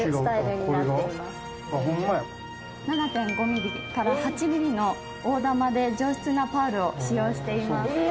７．５ミリから８ミリの大玉で上質なパールを使用しています。